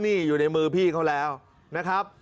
นี่อยู่ในมือพี่เขาแล้วนะครับ